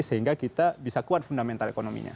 sehingga kita bisa kuat fundamental ekonominya